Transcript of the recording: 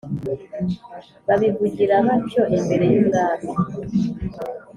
Babivugira batyo imbere y’umwami